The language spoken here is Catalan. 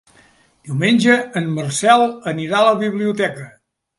Diumenge en Marcel anirà a la biblioteca.